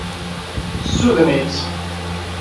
Ssuden-itt.